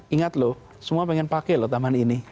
ingat loh semua pengen pakai lho taman ini